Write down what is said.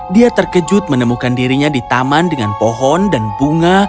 dia terkejut menemukan dirinya di taman dengan pohon dan bunga